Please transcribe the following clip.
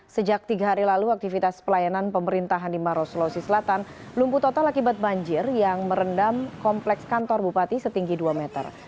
sejak tiga hari lalu aktivitas pelayanan pemerintahan di maros sulawesi selatan lumpuh total akibat banjir yang merendam kompleks kantor bupati setinggi dua meter